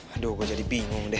aduh gue jadi bingung deh